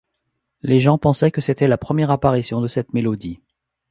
Les gens pensaient que c'était la première apparition de cette mélodie.